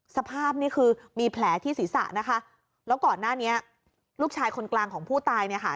สภาพนี่คือมีแผลที่ศีรษะนะคะแล้วก่อนหน้านี้ลูกชายคนกลางของผู้ตายเนี่ยค่ะ